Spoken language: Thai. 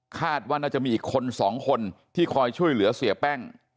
คาดว่าน่าจะมีอีกคนสองคนที่คอยช่วยเหลือเสียแป้ง